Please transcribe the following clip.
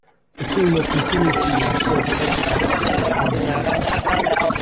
The team will continue to use Silver Cross Field as their home venue.